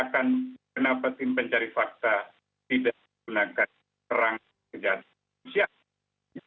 kenapa tim pencari fakta tidak menggunakan perang kejahatan terhadap kemanusiaan